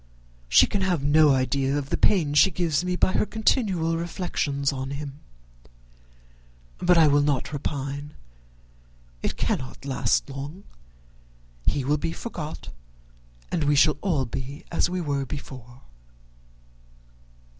she can have no idea of the pain she gives me by her continual reflections on him. But I will not repine. It cannot last long. He will be forgot, and we shall all be as we were before."